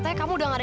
eh ki denger ya